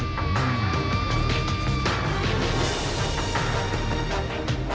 สุดท้ายสุดท้าย